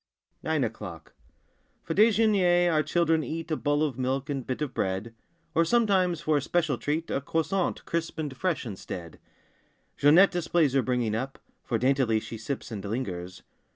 9 NINE O'CLOCK F or dejemier our children eat A bowl of milk and bit of bread; Or sometimes, for a special treat, A croissant, crisp and fresh, instead. Jeanette displays her bringing up. For daintily she sips and lingers.